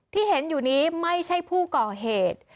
ที่เห็นอยู่นี้ไม่ใช่ผู้ก่อเหตุ